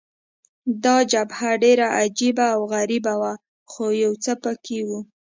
دا جبهه ډېره عجبه او غریبه وه، خو یو څه په کې وو.